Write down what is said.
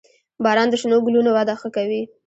• باران د شنو ګلونو وده ښه کوي.